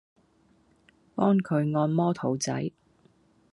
幫佢按摩肚仔